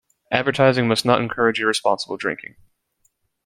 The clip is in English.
Advertising must not encourage irresponsible drinking.